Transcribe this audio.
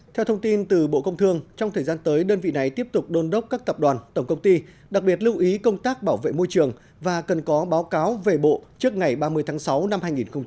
theo thông tin từ bộ công thương trong thời gian tới đơn vị này tiếp tục đôn đốc các tập đoàn tổng công ty đặc biệt lưu ý công tác bảo vệ môi trường và cần có báo cáo về bộ trước ngày ba mươi tháng sáu năm hai nghìn hai mươi